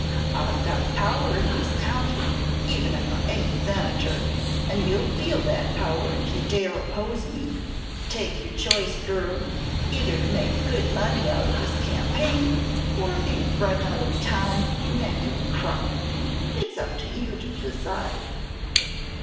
I've got power in this county, even if I ain't senator, and you'll feel that power if you dare oppose me. Take your choice, girl either to make good money out o' this campaign, or be run out of town, neck an' crop! It's up to you to decide."